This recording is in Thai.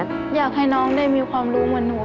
อยากให้น้องได้มีความรู้เหมือนหนู